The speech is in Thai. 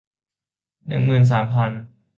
หนึ่งหมื่นสามพัน